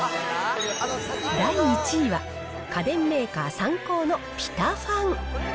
第１位は、家電メーカー、サンコーのピタファン。